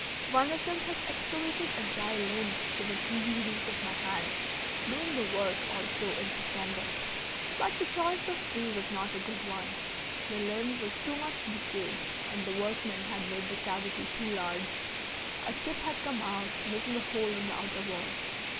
One of them has excavated a dry limb within easy reach of my hand, doing the work also in September. But the choice of tree was not a good one; the limb was too much decayed, and the workman had made the cavity too large; a chip had come out, making a hole in the outer wall.